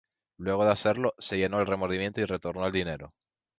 Luego de hacerlo, se llenó de remordimiento y retornó el dinero.